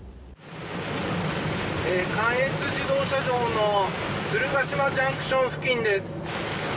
関越自動車道の鶴ヶ島ジャンクション付近です